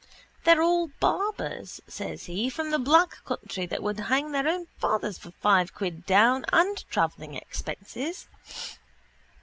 —They're all barbers, says he, from the black country that would hang their own fathers for five quid down and travelling expenses.